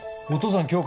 お父さん